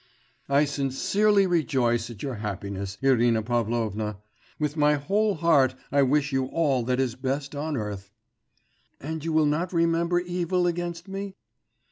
'I sincerely rejoice at your happiness, Irina Pavlovna. With my whole heart I wish you all that is best on earth....' 'And you will not remember evil against me?